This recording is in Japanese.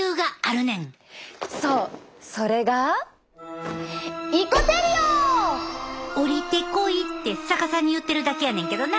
そうそれが「降りてこい」って逆さに言ってるだけやねんけどな。